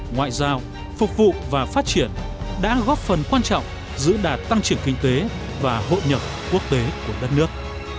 ngoại giao phục vụ và phát triển đã góp phần quan trọng giữ đạt tăng trưởng kinh tế và hội nhập quốc tế của đất nước